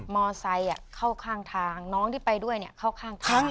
มอไซค์อะเข้าข้างทางน้องที่ไปด้วยเนี่ยเข้าข้างทาง